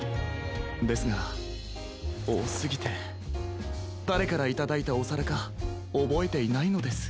ですがおおすぎてだれからいただいたおさらかおぼえていないのです。